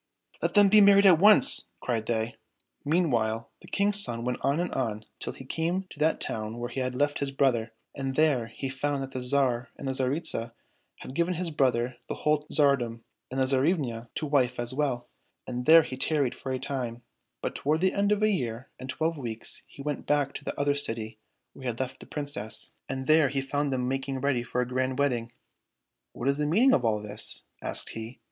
" Let them be married at once !" cried they. Meanwhile the King's son went on and on till he came to that town where he had left his brother, and there he found that the Tsar and the Tsaritsa had given his brother the whole tsardom and the Tsarivna to wife as well, and there he tarried for a time ; but toward the end of a year and twelve weeks he went back to the other city where he had left the Princess, 215 COSSACK FAIRY TALES and there he found them making ready for a grand wedding. " What is the meaning of all this ?" asked he.